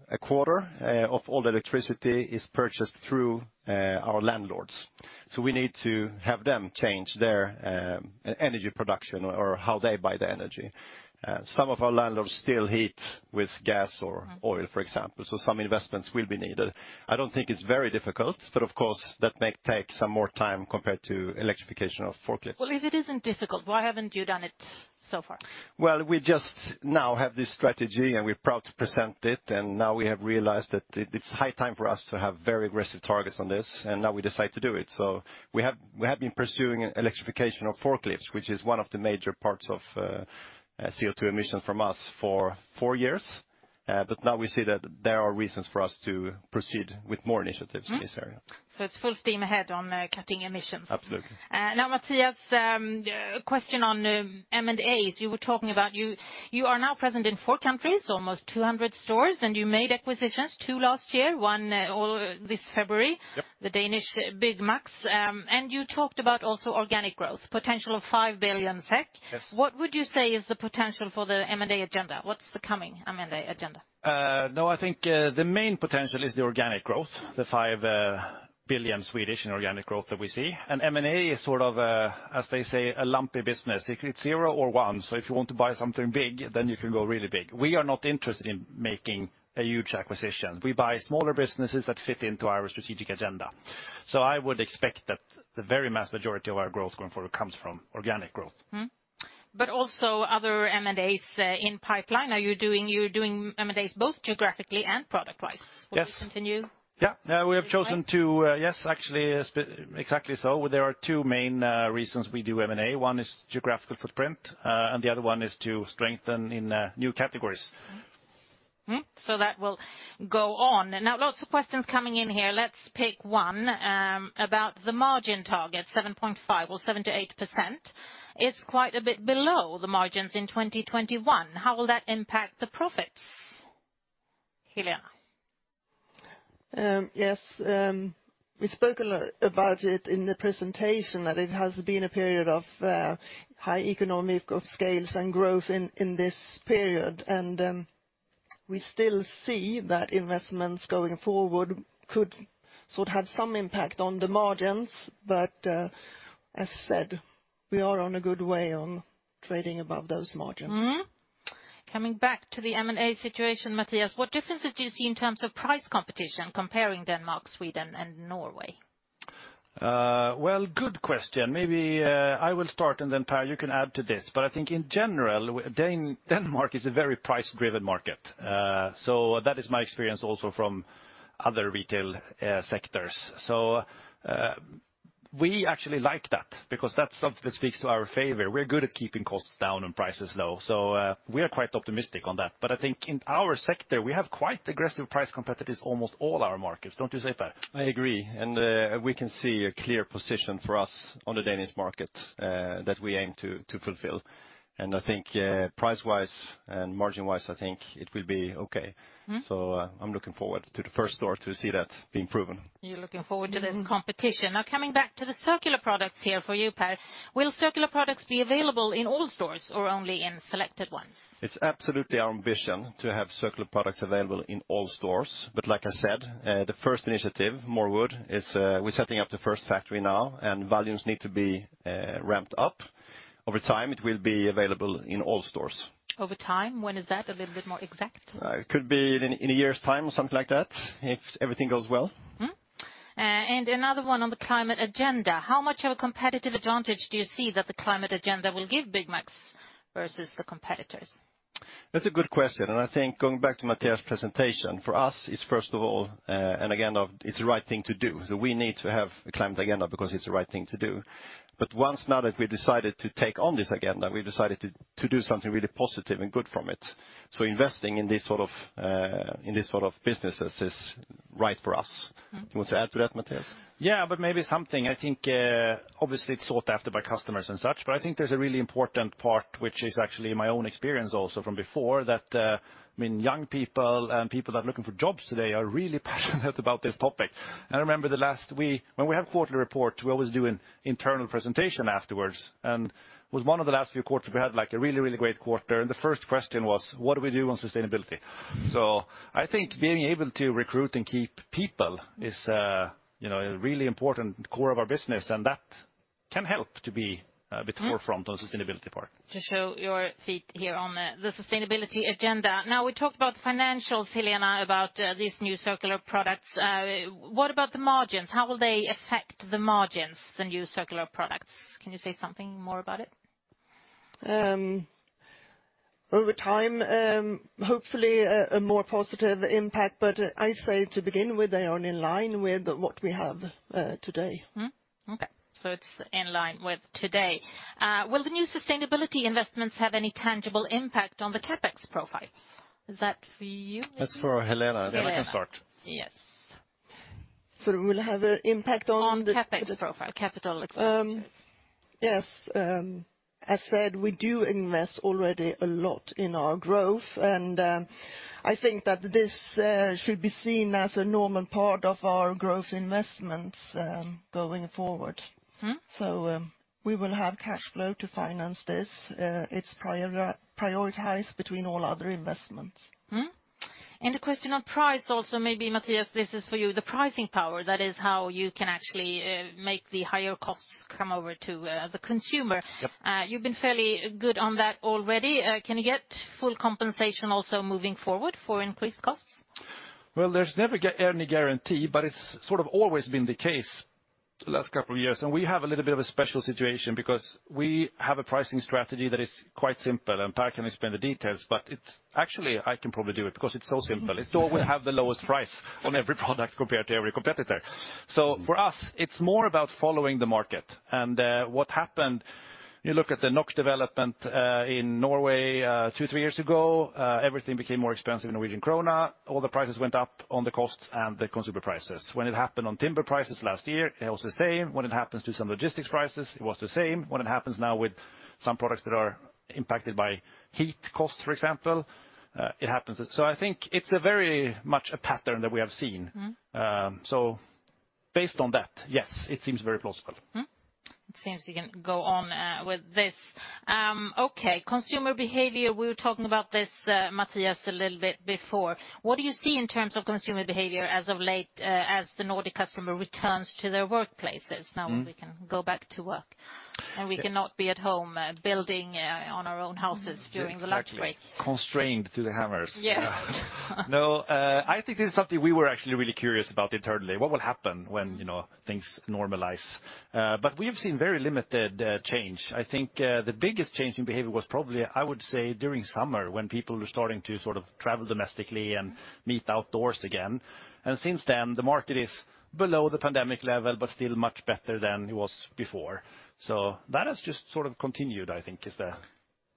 a quarter of all electricity is purchased through our landlords. We need to have them change their energy production or how they buy the energy. Some of our landlords still heat with gas or oil, for example, so some investments will be needed. I don't think it's very difficult, but of course that may take some more time compared to electrification of forklifts. Well, if it isn't difficult, why haven't you done it so far? Well, we just now have this strategy and we're proud to present it, and now we have realized that it's high time for us to have very aggressive targets on this, and now we decide to do it. We have been pursuing electrification of forklifts, which is one of the major parts of CO2 emission from us for four years. Now we see that there are reasons for us to proceed with more initiatives in this area. Mm-hmm. It's full steam ahead on cutting emissions. Absolutely. Now Mattias, question on M&As you were talking about. You are now present in four countries, almost 200 stores, and you made acquisitions, two last year, one this February. Yep. The Danish Byggmax. You talked about also organic growth potential of 5 billion SEK. Yes. What would you say is the potential for the M&A agenda? What's the coming M&A agenda? No, I think the main potential is the organic growth, the 5 billion in organic growth that we see. M&A is sort of a, as they say, a lumpy business. It's zero or one, so if you want to buy something big then you can go really big. We are not interested in making a huge acquisition. We buy smaller businesses that fit into our strategic agenda. I would expect that the vast majority of our growth going forward comes from organic growth. Mm-hmm. Also other M&As in pipeline. Are you doing M&As both geographically and product-wise? Yes. Will it continue? Yeah, we have chosen to. Okay. Yes, actually, exactly so. There are two main reasons we do M&A. One is geographical footprint, and the other one is to strengthen in new categories. Mm-hmm. Mm-hmm. That will go on. Now, lots of questions coming in here. Let's pick one about the margin target, 7.5% or 7%-8% is quite a bit below the margins in 2021. How will that impact the profits, Helena? Yes, we spoke a lot about it in the presentation, that it has been a period of high economies of scale and growth in this period. We still see that investments going forward could sort of have some impact on the margins. As said, we are on a good way and trading above those margins. Coming back to the M&A situation, Mattias, what differences do you see in terms of price competition comparing Denmark, Sweden and Norway? Well, good question. Maybe I will start and then, Per, you can add to this. I think in general, Denmark is a very price-driven market. That is my experience also from other retail sectors. We actually like that because that's something that speaks to our favor. We're good at keeping costs down and prices low, we are quite optimistic on that. I think in our sector, we have quite aggressive price competitors almost all our markets. Don't you say, Per? I agree. We can see a clear position for us on the Danish market, that we aim to fulfill, and I think, price-wise and margin-wise, I think it will be okay. Mm-hmm. I'm looking forward to the first store to see that being proven. You're looking forward to this competition. Now, coming back to the circular products here for you, Per, will circular products be available in all stores or only in selected ones? It's absolutely our ambition to have circular products available in all stores. Like I said, the first initiative, MoreWood. We're setting up the first factory now, and volumes need to be ramped up. Over time, it will be available in all stores. Over time, when is that? A little bit more exact. It could be in a year's time or something like that, if everything goes well. Another one on the climate agenda. How much of a competitive advantage do you see that the climate agenda will give Byggmax versus the competitors? That's a good question. I think going back to Mattias's presentation, for us it's first of all, and again, it's the right thing to do. We need to have a climate agenda because it's the right thing to do. Once, now that we decided to take on this agenda, we decided to do something really positive and good from it. Investing in this sort of businesses is right for us. Mm-hmm. You want to add to that, Mattias? I think, obviously it's sought after by customers and such, but I think there's a really important part, which is actually my own experience also from before, that, I mean, young people and people that are looking for jobs today are really passionate about this topic. I remember last week when we have quarterly reports, we always do an internal presentation afterwards, and it was one of the last few quarters, we had like a really, really great quarter, and the first question was, what do we do on sustainability. I think being able to recruit and keep people is, you know, a really important core of our business, and that can help to be a bit- Mm-hmm At the forefront on the sustainability part. To show your feat here on the sustainability agenda. Now, we talked about financials, Helena, about these new circular products. What about the margins? How will they affect the margins, the new circular products? Can you say something more about it? Over time, hopefully a more positive impact, but I'd say to begin with, they are in line with what we have today. Okay. It's in line with today. Will the new sustainability investments have any tangible impact on the CapEx Profiles? Is that for you? That's for Helena. Helena. Helena can start. Yes. Will it have an impact on the- On CapEx Profile, capital expenditures. Yes. As said, we do invest already a lot in our growth, and I think that this should be seen as a normal part of our growth investments, going forward. Mm-hmm. We will have cash flow to finance this. It's prioritized between all other investments. Mm-hmm. A question on price also, maybe Mattias, this is for you. The pricing power, that is how you can actually make the higher costs come over to the consumer. Yep. You've been fairly good on that already. Can you get full compensation also moving forward for increased costs? Well, there's never any guarantee, but it's sort of always been the case the last couple of years. We have a little bit of a special situation because we have a pricing strategy that is quite simple, and Per can explain the details, but it's. Actually, I can probably do it because it's so simple. It's so we have the lowest price on every product compared to every competitor. For us, it's more about following the market. What happened, you look at the NOK development in Norway two, three years ago, everything became more expensive in Norwegian Krone. All the prices went up on the costs and the consumer prices. When it happened on timber prices last year, it was the same. When it happens to some logistics prices, it was the same. When it happens now with some products that are impacted by heat costs, for example, it happens. I think it's very much a pattern that we have seen. Mm-hmm. Based on that, yes, it seems very plausible. It seems you can go on with this. Okay. Consumer behavior, we were talking about this, Mattias, a little bit before. What do you see in terms of consumer behavior as of late, as the Nordic customer returns to their workplaces now- Mm-hmm We can go back to work? Yeah. We cannot be at home, building on our own houses during the lunch break. Exactly. Constrained to the hammers. Yes. No, I think this is something we were actually really curious about internally. What will happen when, you know, things normalize? We have seen very limited change. I think the biggest change in behavior was probably, I would say, during summer, when people were starting to sort of travel domestically and meet outdoors again. Since then, the market is below the pandemic level but still much better than it was before. That has just sort of continued, I think is the- Yeah.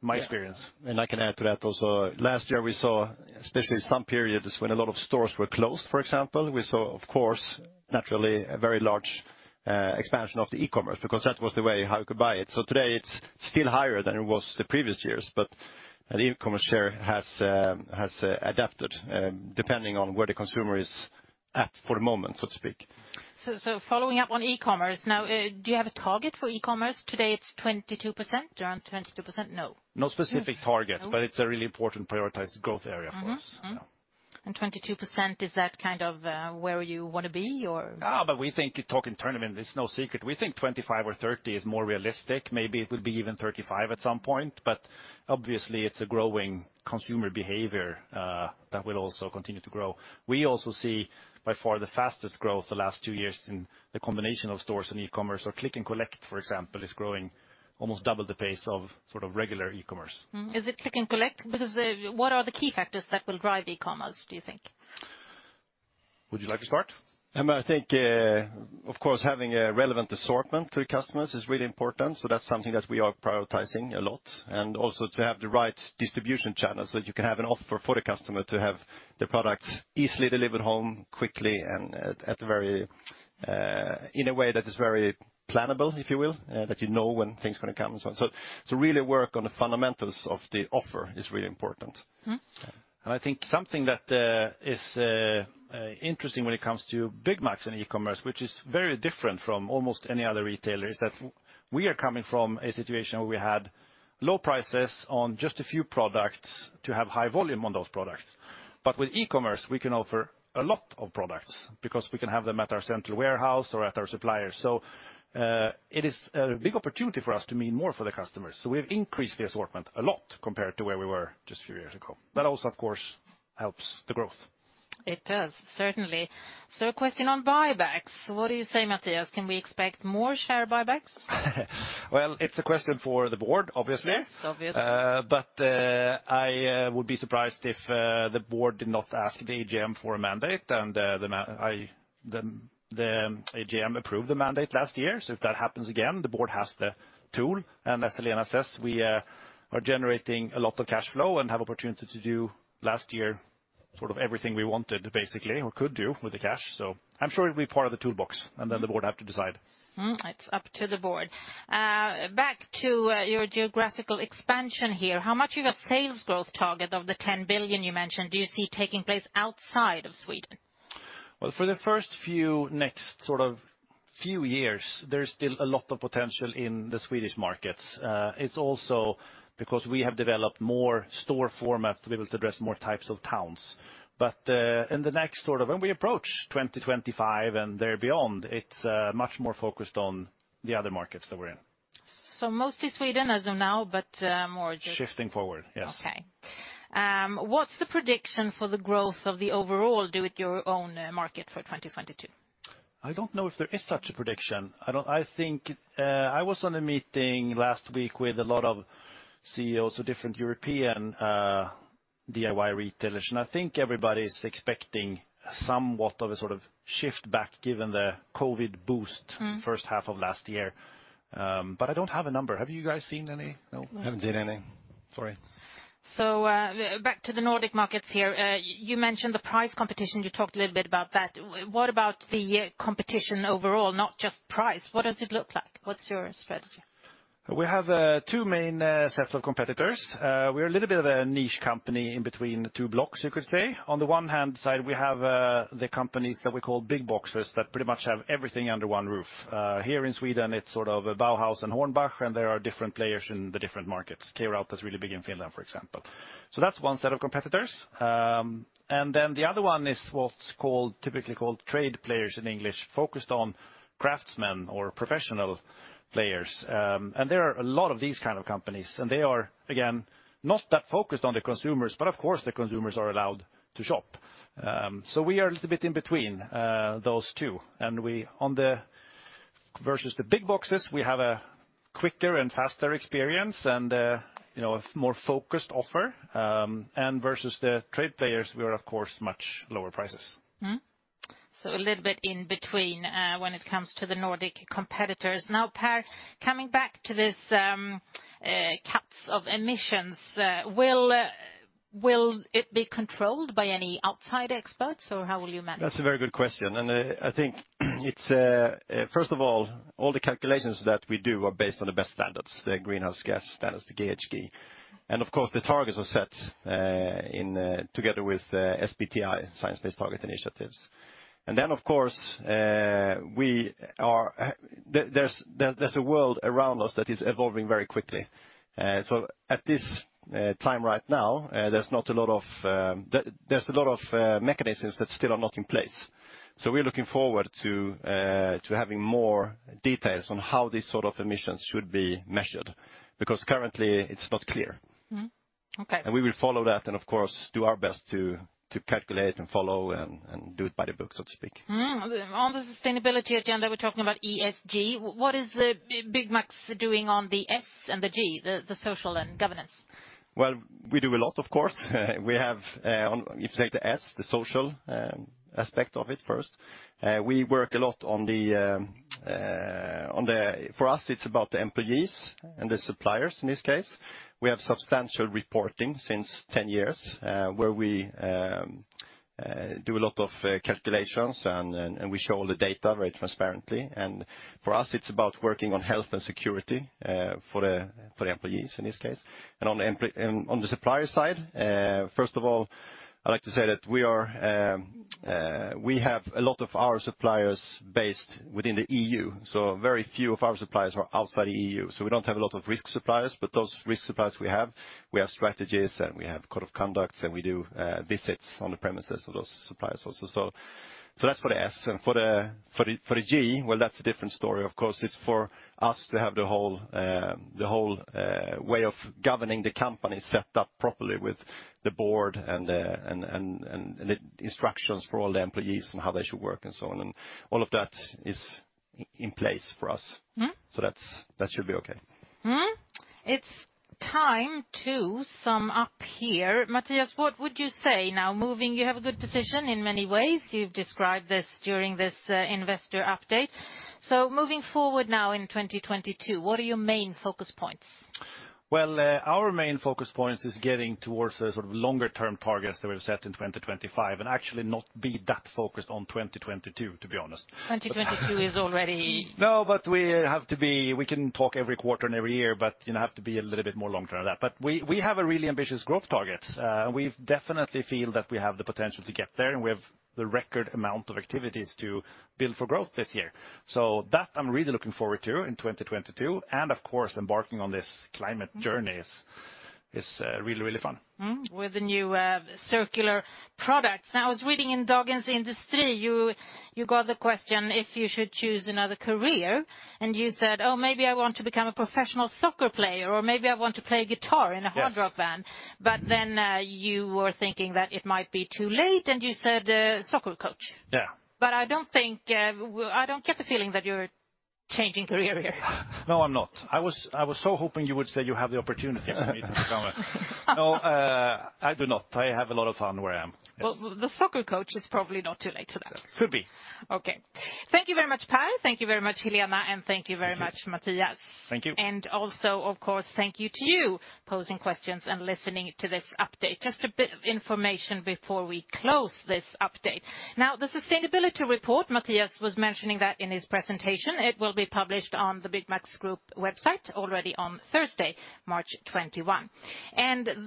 My experience. I can add to that also. Last year, we saw, especially some periods when a lot of stores were closed, for example, we saw, of course, naturally a very large expansion of the e-commerce because that was the way how you could buy it. Today, it's still higher than it was the previous years, but the e-commerce share has adapted depending on where the consumer is at for the moment, so to speak. Following up on e-commerce, now, do you have a target for e-commerce? Today, it's 22%, around 22%, no? No specific targets. No. It's a really important prioritized growth area for us. Mm-hmm. Mm-hmm. Yeah. 22%, is that kind of where you wanna be or? We think, talking target, it's no secret. We think 25% or 30% is more realistic. Maybe it will be even 35% at some point, but obviously it's a growing consumer behavior that will also continue to grow. We also see by far the fastest growth the last two years in the combination of stores and e-commerce or Click and Collect, for example, is growing almost double the pace of sort of regular e-commerce. Is it Click and Collect? Because, what are the key factors that will drive e-commerce, do you think? Would you like to start? I think, of course, having a relevant assortment to the customers is really important, so that's something that we are prioritizing a lot. Also to have the right distribution channels, so that you can have an offer for the customer to have the products easily delivered home quickly and in a way that is very plannable, if you will, that you know when things are gonna come and so on. Really work on the fundamentals of the offer is really important. Mm. I think something that is interesting when it comes to Byggmax and e-commerce, which is very different from almost any other retailer, is that we are coming from a situation where we had low prices on just a few products to have high volume on those products. With e-commerce, we can offer a lot of products because we can have them at our central warehouse or at our suppliers. It is a big opportunity for us to mean more for the customers, so we've increased the assortment a lot compared to where we were just a few years ago. That also of course helps the growth. It does, certainly. A question on buybacks. What do you say, Mattias? Can we expect more share buybacks? Well, it's a question for the Board, obviously. Yes, obviously. I would be surprised if the Board did not ask the AGM for a mandate and the AGM approved the mandate last year, so if that happens again, the Board has the tool. Necessarily, as we are generating a lot of cash flow and have opportunity to do last year, sort of everything we wanted basically, or could do with the cash. I'm sure it'll be part of the toolbox, and then the Board have to decide. It's up to the Board. Back to your geographical expansion here. How much of your sales growth target of the 10 billion you mentioned do you see taking place outside of Sweden? Well, for the next sort of few years, there's still a lot of potential in the Swedish markets. It's also because we have developed more store formats to be able to address more types of towns. When we approach 2025 and beyond, it's much more focused on the other markets that we're in. Mostly Sweden as of now, but, more- Shifting forward, yes. Okay. What's the prediction for the growth of the overall DIY market for 2022? I don't know if there is such a prediction. I think I was on a meeting last week with a lot of CEOs of different European DIY retailers, and I think everybody is expecting somewhat of a sort of shift back given the COVID boost. Mm First half of last year. I don't have a number. Have you guys seen any? No. Haven't seen any. Sorry. Back to the Nordic markets here. You mentioned the price competition, you talked a little bit about that. What about the competition overall, not just price? What does it look like? What's your strategy? We have two main sets of competitors. We're a little bit of a niche company in between the two blocks, you could say. On the one hand side, we have the companies that we call big boxes that pretty much have everything under one roof. Here in Sweden, it's sort of Bauhaus and Hornbach, and there are different players in the different markets. K-rauta is really big in Finland, for example. That's one set of competitors. The other one is what's called, typically called trade players in English, focused on craftsmen or professional players. There are a lot of these kind of companies, and they are, again, not that focused on the consumers, but of course, the consumers are allowed to shop. We are a little bit in between those two. On the versus the big boxes, we have a quicker and faster experience and you know, a more focused offer, and versus the trade players, we are of course much lower prices. A little bit in between, when it comes to the Nordic competitors. Now, Per, coming back to this, caps on emissions, will it be controlled by any outside experts or how will you manage? That's a very good question. I think it's first of all the calculations that we do are based on the best standards, the greenhouse gas standards, the GHG. Of course, the targets are set together with SBTi, Science Based Targets initiative. Of course, there's a world around us that is evolving very quickly. At this time right now, there's a lot of mechanisms that still are not in place. We're looking forward to having more details on how these sort of emissions should be measured, because currently it's not clear. Mm-hmm. Okay. We will follow that and of course do our best to calculate and follow and do it by the book, so to speak. On the sustainability agenda, we're talking about ESG. What is Byggmax doing on the S and the G, the social and governance? Well, we do a lot, of course. We have, if you take the S, the social aspect of it first. For us, it's about the employees and the suppliers in this case. We have substantial reporting since 10 years, where we do a lot of calculations and we show all the data very transparently. For us, it's about working on health and security for the employees in this case. On the supplier side, first of all, I'd like to say that we have a lot of our suppliers based within the EU, so very few of our suppliers are outside the EU. We don't have a lot of risk suppliers, but those risk suppliers we have, we have strategies and we have code of conduct, and we do visits on the premises of those suppliers also. That's for the S. For the G, well, that's a different story. Of course, it's for us to have the whole way of governing the company set up properly with the Board and the instructions for all the employees and how they should work and so on. All of that is in place for us. Mm-hmm. That should be okay. Mm-hmm. It's time to sum up here. Mattias, what would you say now? You have a good position in many ways. You've described this during this investor update. Moving forward now in 2022, what are your main focus points? Well, our main focus points is getting towards the sort of longer-term targets that we've set in 2025 and actually not be that focused on 2022, to be honest. 2022 is already. No, but we have to be. We can talk every quarter and every year, but you know, have to be a little bit more long-term than that. We have a really ambitious growth target. We definitely feel that we have the potential to get there, and we have the record amount of activities to build for growth this year. That I'm really looking forward to in 2022, and of course, embarking on this climate journey is really, really fun. Mm-hmm. With the new circular products. Now, I was reading in Dagens industri, you got the question if you should choose another career, and you said, "Oh, maybe I want to become a professional soccer player, or maybe I want to play guitar in a hard rock band. Yes. You were thinking that it might be too late, and you said, soccer coach. Yeah. I don't think I don't get the feeling that you're changing career here. No, I'm not. I was so hoping you would say you have the opportunity for me to become. No, I do not. I have a lot of fun where I am. Yes. Well, the soccer coach is probably not too late for that. Could be. Okay. Thank you very much, Per. Thank you very much, Helena. Thank you very much, Mattias. Thank you. Also, of course, thank you to you posing questions and listening to this update. Just a bit of information before we close this update. Now, the sustainability report, Mattias was mentioning that in his presentation, it will be published on the Byggmax Group website already on Thursday, March 21.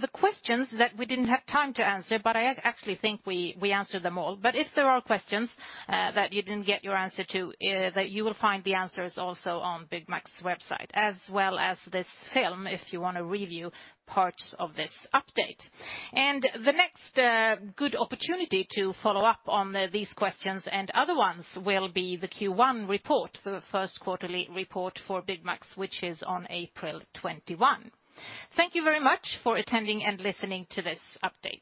The questions that we didn't have time to answer, but I actually think we answered them all, but if there are questions that you didn't get your answer to, that you will find the answers also on Byggmax Group website, as well as this film, if you wanna review parts of this update. The next good opportunity to follow up on these questions and other ones will be the Q1 report, the first quarterly report for Byggmax, which is on April 21. Thank you very much for attending and listening to this update.